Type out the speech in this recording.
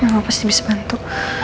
ya mbak pasti bisa bantu